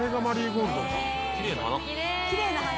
きれいな花。